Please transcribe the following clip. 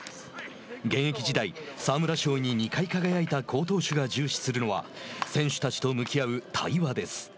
現役時代、沢村賞に２回輝いた好投手が重視するのは選手たちと向き合う対話です。